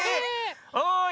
おい！